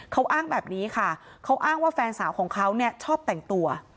เขาอ้างแบบนี้ค่ะเขาอ้างว่าแฟนสาวของเขาเนี่ยชอบแต่งตัว